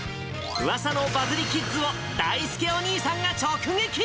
うわさのバズリキッズをだいすけお兄さんが直撃。